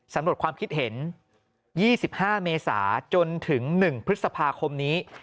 สำรวจความคิดเห็น๒๕เมษาจนถึง๑พฤษภาคมนี้